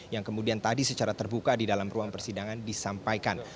yang kemudian tadi secara terbuka di dalam ruang persidangan disampaikan